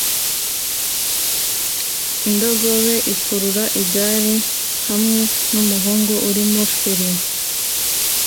Indogobe ikurura igare hamwe numuhungu irimo feri